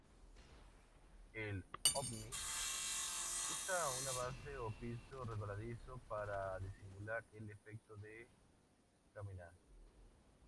El Omni usa una base o piso resbaladizo para simular el efecto de caminar.